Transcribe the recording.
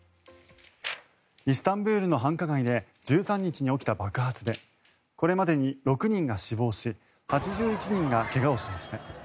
イスタンブールの繁華街で１３日に起きた爆発でこれまでに６人が死亡し８１人が怪我をしました。